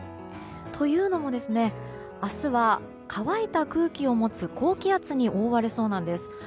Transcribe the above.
というのも明日は乾いた空気を持つ高気圧に覆われそうなんです。